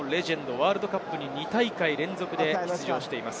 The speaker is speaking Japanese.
ワールドカップに２大会連続で出場しています。